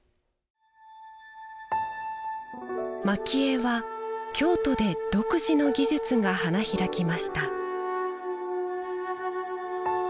蒔絵は京都で独自の技術が花開きました